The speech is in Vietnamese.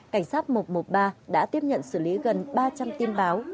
cảnh sát một trăm một mươi ba đã tiếp nhận xử lý gần ba trăm linh tin báo